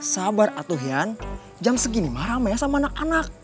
sabar atuhian jam segini marah mah ya sama anak anak